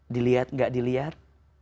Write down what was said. diliat gak diliat